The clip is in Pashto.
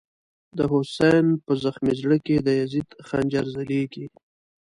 د «حسین» په زغمی زړه کی، د یزید خنجر ځلیږی